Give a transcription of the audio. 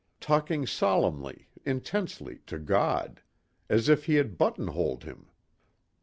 Talking solemnly, intensely to God. As if he had buttonholed Him.